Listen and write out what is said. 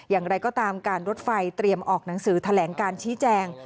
อย่างไรก็ตามการรถไฟเตรียมออกหนังสือแถลงการชี้แจง